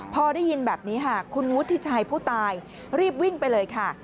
พอได้ยินแบบนี้ค่ะคุณวุฒิชัยผู้ตายรีบวิ่งไปเลยค่ะ